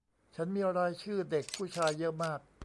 ฉันมีรายชื่อเด็กผู้ชายเยอะมาก